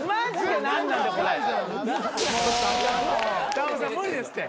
さんまさん無理ですって。